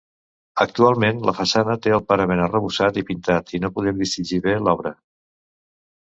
Actualment, la façana té el parament arrebossat i pintat i no podem distingir bé l'obra.